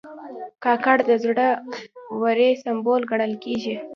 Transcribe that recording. کاکړ د زړه ورۍ سمبول ګڼل کېږي.